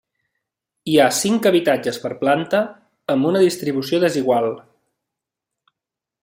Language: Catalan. Hi ha cinc habitatges per planta amb una distribució desigual.